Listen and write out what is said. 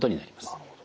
なるほど。